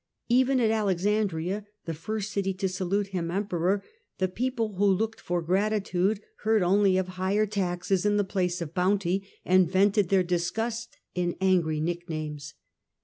Even at venue, Alexandria, the first city to salute him Empe ror, the people who looked tor gratitude heard only of A. D. 69 79, Vespasian, 1 5 1 higher taxes in the place of bounty, and vented their dis gust in angry nicknames.